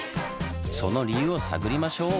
その理由を探りましょう！